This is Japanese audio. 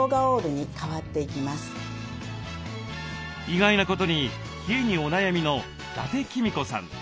意外なことに冷えにお悩みの伊達公子さん。